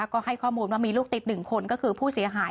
ก็ให้ข้อมูลว่ามีลูกติด๑คนก็คือผู้เสียหาย